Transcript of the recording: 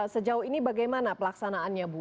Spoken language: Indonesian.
sejauh ini bagaimana pelaksanaannya bu